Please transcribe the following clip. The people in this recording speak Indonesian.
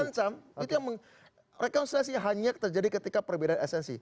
eksistensi yang ancam rekonsiliasi hanya terjadi ketika perbedaan esensi